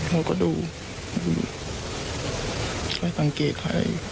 เราก็ดูค่ะต้องเกตุว่าอะไร